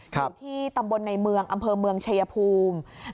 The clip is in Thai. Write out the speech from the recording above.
อยู่ที่ตำบลในเมืองอำเภอเมืองชายภูมิ